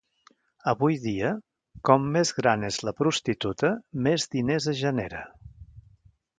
Avui dia, com més gran és la prostituta, més diners es genera.